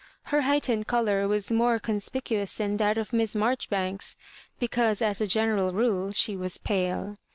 Her height ened colour was more conspicuous than that of Miss Marjoribanks, because as a general rule she was pale.